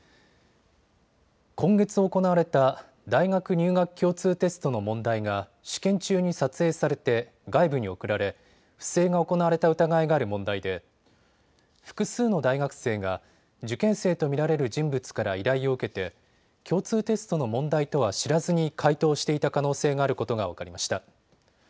今月行われた大学入学共通テストの問題が試験中に撮影されて外部に送られ不正が行われた疑いがある問題で複数の大学生が受験生と見られる人物から依頼を受けて共通テストの問題とは知らずに解答していた可能性があることが分かりました。